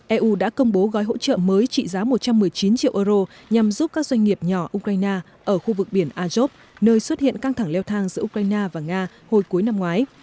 eu đã công bố gói hỗ trợ mới trị giá một trăm một mươi chín triệu euro nhằm giúp các doanh nghiệp nhỏ ukraine ở khu vực biển azov nơi xuất hiện căng thẳng leo thang giữa ukraine và nga hồi cuối năm ngoái